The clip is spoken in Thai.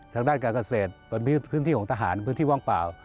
ทางด้านการเกษตรเป็นพื้นที่ของทหารพื้นที่ว่างเปล่า